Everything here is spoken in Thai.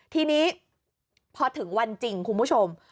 ทีนี้พอถึงวันจริงคุณผู้ชม